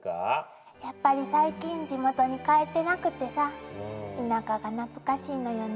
やっぱり最近地元に帰ってなくてさ田舎が懐かしいのよね。